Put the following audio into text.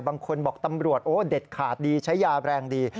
บางคนบอกตำรวจโอ้เด็ดขาดดีใช้ยาแรงดี